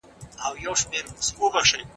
د يوسف سورت نزول موږ ته نازکه او حساسه دوره ښیي.